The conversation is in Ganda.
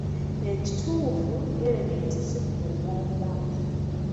Ekituufu, erementi zikuuma obulamu.